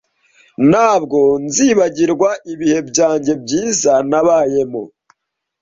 ntabwo nzibagirwa ibihe byanjye byiza nabayemo